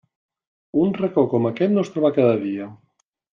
Un racó com aquest no es troba cada dia.